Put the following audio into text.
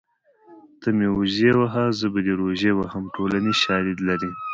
ته مې وزې وهه زه به دې روژې وهم ټولنیز شالید لري